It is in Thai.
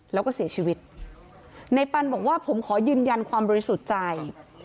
แล้วก็เสียชีวิตในปันบอกว่าผมขอยืนยันความบริสุทธิ์ใจ